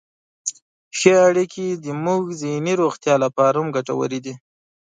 ښې اړیکې زموږ ذهني روغتیا لپاره هم ګټورې دي.